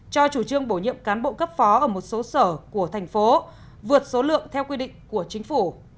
cho chủ trương bổ nhiệm cán bộ cấp phó ở một số sở của thành phố vượt số lượng theo quy định của chính phủ